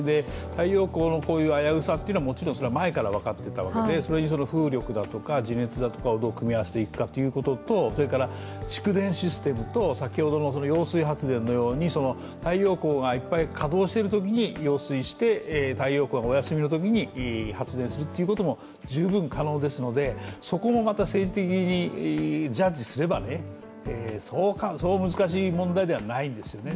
太陽光の危うさは前から分かっていたわけでそれに風力だとか地熱だとかをどう組み合わせていくかということと、蓄電システムと揚水発電のように太陽光がいっぱい稼働しているときに揚水して太陽光がお休みのときに発電することも十分可能ですので、そこもまた政治的にジャッジすれば、そう難しい問題ではないんですよね。